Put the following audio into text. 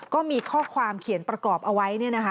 ก็มีข้อความเขียนประกอบเอาไว้